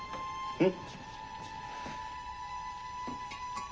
うん？